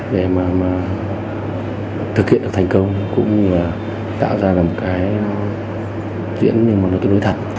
để mà thực hiện được thành công cũng là tạo ra một cái diễn như một cái đối thận